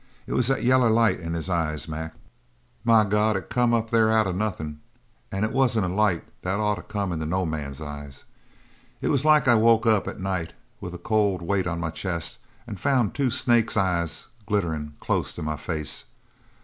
It was that yaller light in his eyes, Mac. My God, it come up there out of nothin' and it wasn't a light that ought to come in no man's eyes. It was like I'd woke up at night with a cold weight on my chest and found two snakes' eyes glitterin' close to my face.